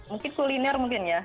mungkin kuliner mungkin ya